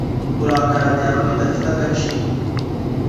Kurakara byaba bidafite agaciro